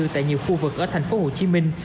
tại nhiều khu vực ở thành phố hồ chí minh